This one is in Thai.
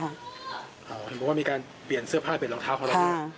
อ๋อคุณบอกว่ามีการเปลี่ยนเสื้อผ้าเป็นรองเท้าของหลาน